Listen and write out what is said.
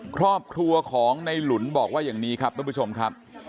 ครอบครัวของในหลุนบอกว่าอย่างนี้ครับท่านผู้ชมครับ